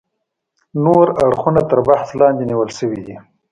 نور اړخونه تر بحث لاندې نیول شوي دي.